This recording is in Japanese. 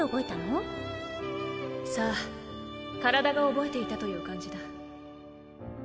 さあ体が覚えていたという感じだ